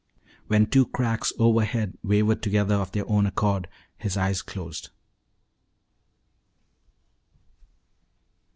When two cracks overhead wavered together of their own accord, his eyes closed.